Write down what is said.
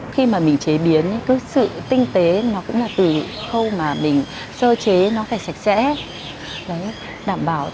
khi mà mình chế biến cái sự tinh tế nó cũng là từ khâu mà mình sơ chế nó phải sạch sẽ đảm bảo